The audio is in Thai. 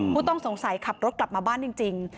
ผู้ต้องสงสัยขับรถกลับมาบ้านจริง